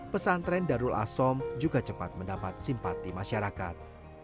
pesantren darul asom juga cepat mendapat simpati masyarakat